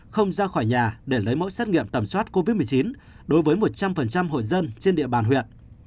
không ra khỏi nhà để lấy mẫu xét nghiệm tầm soát covid một mươi chín đối với một trăm linh hội dân trên địa bàn huyện